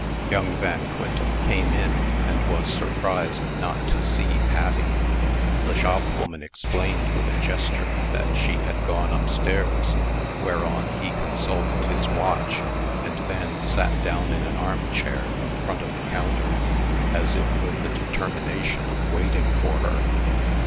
Young Van Quintem came in, and was surprised not to see Patty. The shopwoman explained, with a gesture, that she had gone up stairs, whereon he consulted his watch, and then sat down in an armchair in front of the counter, as if with the determination of waiting for her.